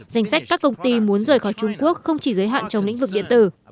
danh sách các công ty muốn rời khỏi trung quốc không chỉ giới hạn trong lĩnh vực điện tử